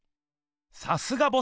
さすがボス！